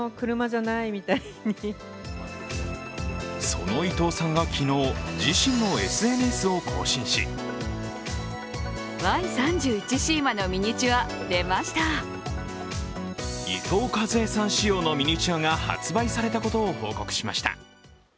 その伊藤さんが昨日、自身のＳＮＳを更新し伊藤かずえさん仕様のミニチュアが発売されたことを報告しました。